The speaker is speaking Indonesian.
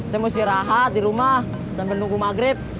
saya mau istirahat di rumah sambil nunggu maghrib